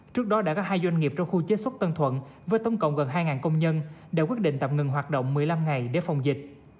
trước đó đã có hai doanh nghiệp trong khu chế xuất tân thuận với tổng cộng gần hai công nhân đã quyết định tạm ngừng hoạt động một mươi năm ngày để phòng dịch